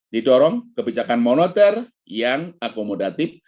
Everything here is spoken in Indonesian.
didorong kebijakan moneter yang akomodatif